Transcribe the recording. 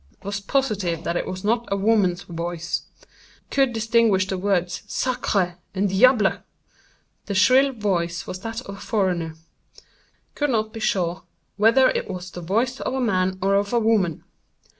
Was positive that it was not a woman's voice. Could distinguish the words 'sacré' and 'diable.' The shrill voice was that of a foreigner. Could not be sure whether it was the voice of a man or of a woman.